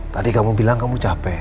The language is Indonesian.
tadi kamu bilang kamu capek